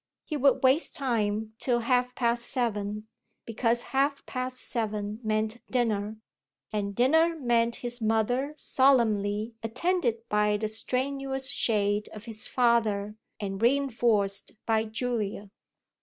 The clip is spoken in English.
He would waste time till half past seven, because half past seven meant dinner, and dinner meant his mother solemnly attended by the strenuous shade of his father and re enforced by Julia.